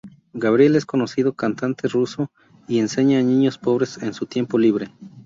Gabriel es conocido cantante ruso y enseña a niños pobres en su tiempo libre.